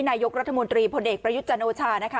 นายกรัฐมนตรีพลเอกประยุทธ์จันโอชานะคะ